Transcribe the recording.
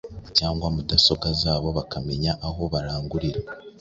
cyangwa mudasobwa zabo bakamenya aho barangurira